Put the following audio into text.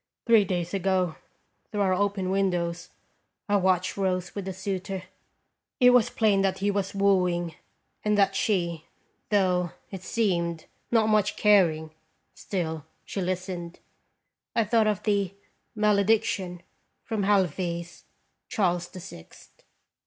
Three days ago, through our open windows, I watched Rose with a suitor. It was plain that he was wooing, and that she, though, it seemed, not much caring, still she listened. I thought of the "Malediction" from HaleVy's "Charles the Sixth."